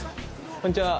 こんにちは。